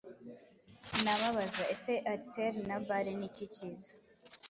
nababaza Ese ari Alitelle na balle niki cyiza